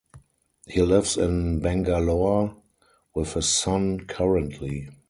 He lives in Bangalore with his son currently.